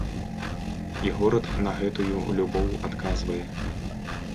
І горад на гэтую любоў адказвае.